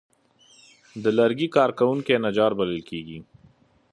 د لرګي کار کوونکي نجار بلل کېږي.